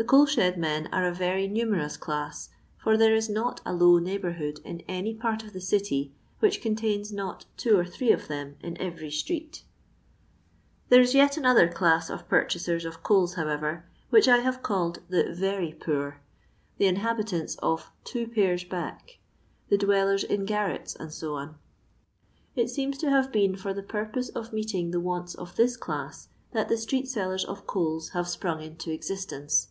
The coal shed men are a very numerous cUss, for there is not a low neighbourhood in any part of the city which contains not two or three of them in every street There is yet another class of purchasers of coals, however, which I have called the 'very poor,' — the inhabitants of two pairs back — the dwellers in garrets, &c. It seems to have been for the purpose of meeting the wants of this class that the street sellers of coals have sprung into ex istence.